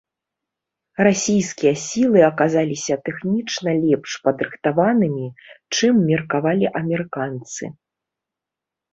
Расійскія сілы аказаліся тэхнічна лепш падрыхтаванымі, чым меркавалі амерыканцы.